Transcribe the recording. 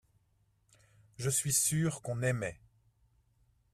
Je suis sûr qu’on aimait.